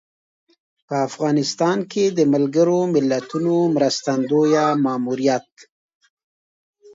په افغانستان کې د ملګر ملتونو مرستندویه ماموریت